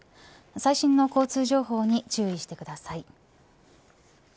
最新の交通情報に注意してください。